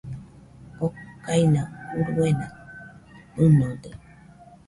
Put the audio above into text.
Okaina uruena fɨnode.